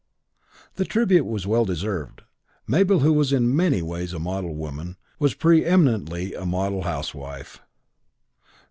The tribute was well deserved. Mabel, who was in many ways a model woman, was preëminently a model housewife.